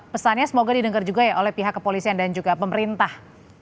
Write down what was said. pesannya semoga didengar juga ya oleh pihak kepolisian dan juga pemerintah